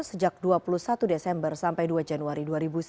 sejak dua puluh satu desember sampai dua januari dua ribu sembilan belas